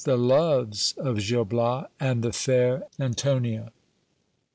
— The loves of Gil Bias and the fair Antonia.